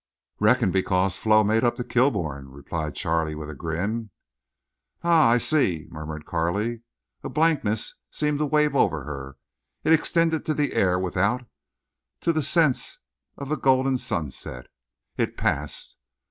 "Reckon because Flo made up to Kilbourne," replied Charley, with a grin. "Ah! I—I see," murmured Carley. A blankness seemed to wave over her. It extended to the air without, to the sense of the golden sunset. It passed.